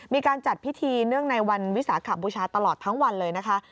มีการจัดพิธีเนื่องในวันวิสาขบูชาตลอดทั้งวันเลยนะคะ